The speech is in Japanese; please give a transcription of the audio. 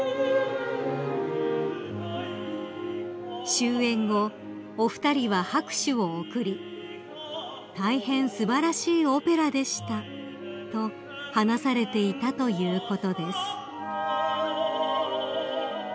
［終演後お二人は拍手を送り「大変素晴らしいオペラでした」と話されていたということです］